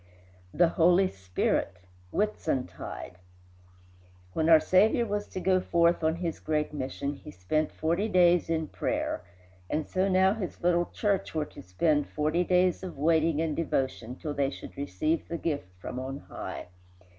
XXXI THE HOLY SPIRIT Whitsuntide When our Saviour was to go forth on his great mission he spent forty days in prayer; and so now his little church were to spend forty days of waiting and devotion till they should receive the gift from on high.